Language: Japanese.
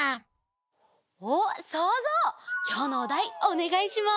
おっそうぞうきょうのおだいおねがいします。